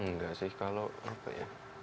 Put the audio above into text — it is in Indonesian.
enggak sih kalau apa ya